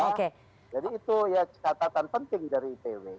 ini adalah kesempatan penting dari itw